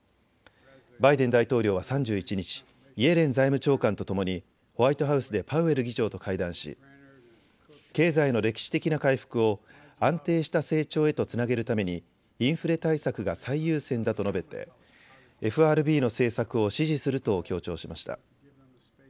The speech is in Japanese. バイデン大統領は３１日、イエレン財務長官とともにホワイトハウスでパウエル議長と会談し経済の歴史的な回復を安定した成長へとつなげるためにインフレ対策が最優先だと述べてＦＲＢの政策を支持すると強調しました。